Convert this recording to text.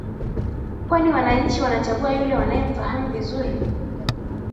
kwani wananchi wanachagua yule wanayemfahamu vizuri